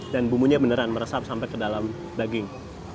dan bumbunya beneran meresap sampai ke dalam daging